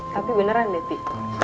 tapi beneran deti